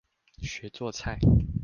學做菜